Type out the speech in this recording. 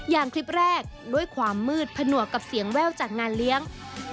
อย่างคลิปแรกด้วยความมืดผนวกกับเสียงแว่วจากงานเลี้ยง